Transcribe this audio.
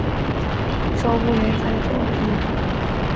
此作为作者久慈进之介的首部连载作品。